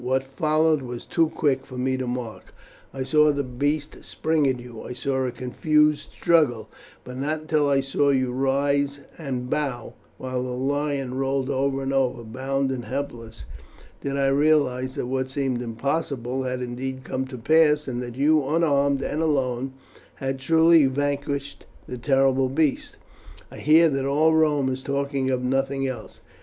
What followed was too quick for me to mark. I saw the beast spring at you; I saw a confused struggle; but not until I saw you rise and bow, while the lion rolled over and over, bound and helpless, did I realize that what seemed impossible had indeed come to pass, and that you, unarmed and alone, had truly vanquished the terrible beast. "I hear that all Rome is talking of nothing else.